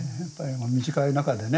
短い中でね